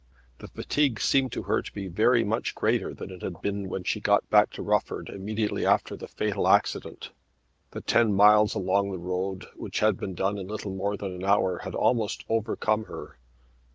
The fatigue seemed to her to be very much greater than it had been when she got back to Rufford immediately after the fatal accident. The ten miles along the road, which had been done in little more than an hour, had almost overcome her.